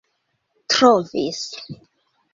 trovis